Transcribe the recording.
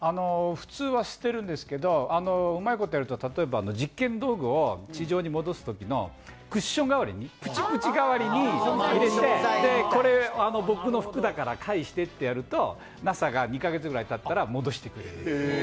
普通は捨てるんですけど、例えば実験道具を地上に戻すときのクッション、プチプチ代わりに入れてこれ、僕の服だから返してとやるとＮＡＳＡが２か月ぐらいたったら戻してくれる。